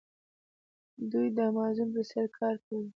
دوی د امازون په څیر کار کوي.